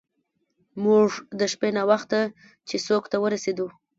موږ د شپې ناوخته چیسوک ته ورسیدو.